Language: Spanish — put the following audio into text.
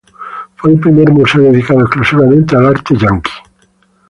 Fue el primer museo dedicado exclusivamente al arte estadounidense.